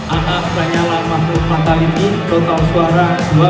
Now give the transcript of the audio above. a a sanyalang makhluk fataliti total suara dua puluh dua